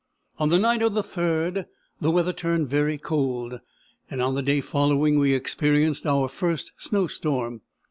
On the night of the 3d the weather turned very cold, and on the day following we experienced our first snow storm.